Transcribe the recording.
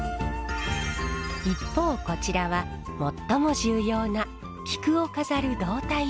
一方こちらは最も重要な菊を飾る胴体部分。